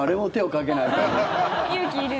勇気いる。